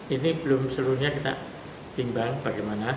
ini belum seluruhnya kita timbang bagaimana